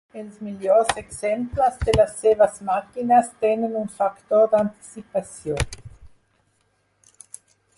Els millors exemples de les seves màquines tenen un factor d'anticipació.